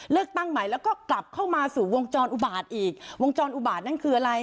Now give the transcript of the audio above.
เลือกตั้งใหม่แล้วก็กลับเข้ามาสู่วงจรอุบาตอีกวงจรอุบาตนั่นคืออะไร